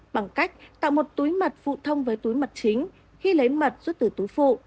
bằng cách tạo một túi mật phụ thông với túi mật chính khi lấy mật xuất từ túi phụ